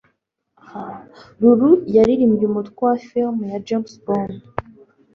Lulu yaririmbye umutwe wa film ya James Bond?